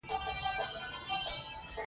ملګری د ژوند زېری وي